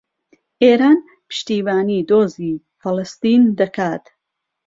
ئێران پشتیوانیی دۆزی فەڵەستین دەکات.